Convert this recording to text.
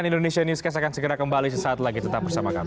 cnn indonesia newscast akan segera kembali sesaat lagi tetap bersama kami